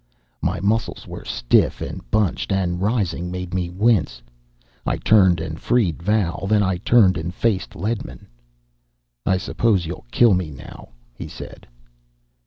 My muscles were stiff and bunched, and rising made me wince. I turned and freed Val. Then I turned and faced Ledman. "I suppose you'll kill me now," he said.